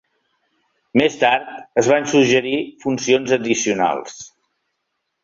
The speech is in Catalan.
Més tard, es van suggerir funcions addicionals.